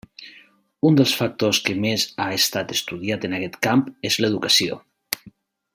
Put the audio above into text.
Un dels factors que més ha estat estudiat en aquest camp és l'educació.